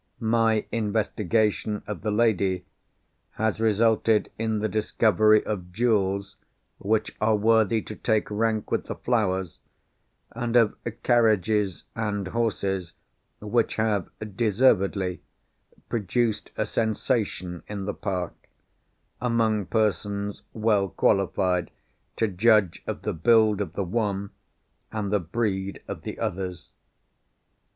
My investigation of the lady has resulted in the discovery of jewels which are worthy to take rank with the flowers, and of carriages and horses which have (deservedly) produced a sensation in the Park, among persons well qualified to judge of the build of the one, and the breed of the others.